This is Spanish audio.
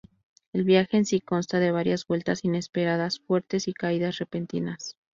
El viaje en sí consta de varias vueltas inesperadas fuertes y caídas repentinas.